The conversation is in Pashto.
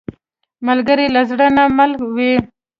ملګری له زړه نه مل وي